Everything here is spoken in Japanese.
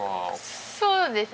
そうですね。